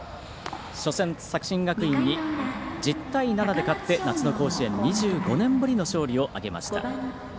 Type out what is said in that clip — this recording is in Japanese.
初戦、作新学院に１０対７で勝って夏の甲子園２５年ぶりの勝利を挙げました。